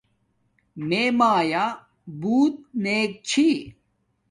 میے مایا بوت نیک چھی